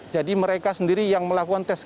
jadi mereka sendiri yang melakukan tes gratis